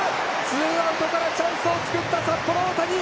ツーアウトからチャンスを作った札幌大谷。